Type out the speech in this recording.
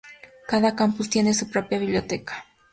Cada campus tiene su propia biblioteca.